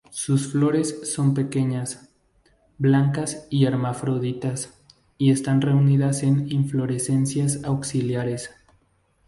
Sus flores son pequeñas, blancas y hermafroditas y están reunidas en inflorescencias axilares.